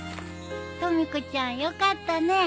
とみ子ちゃんよかったね。